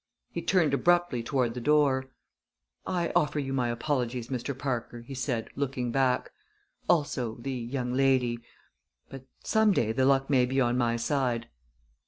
He turned abruptly toward the door. "I offer you my apologies, Mr. Parker," he said, looking back; "also the young lady. But some day the luck may be on my side."